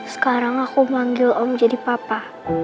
sekarang aku manggil om jadi papa